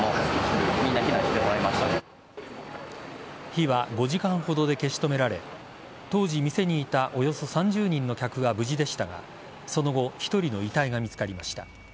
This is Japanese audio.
火は５時間ほどで消し止められ当時、店にいたおよそ３０人の客は無事でしたがその後１人の遺体が見つかりました。